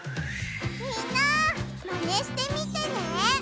みんなマネしてみてね！